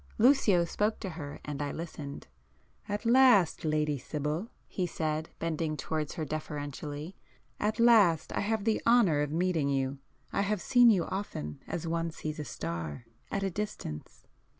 Lucio spoke to her, and I listened. "At last, Lady Sibyl," he said, bending towards her deferentially. "At last I have the honour of meeting you. I have seen you often, as one sees a star,—at a distance."